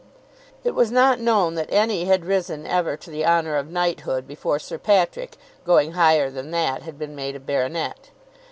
It was not known that any had risen ever to the honour of knighthood before Sir Patrick, going higher than that, had been made a baronet.